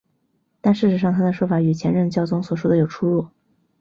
但事实上他的说法与前任教宗所说的有出入。